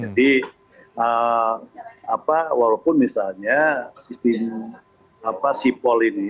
walaupun misalnya sistem sipol ini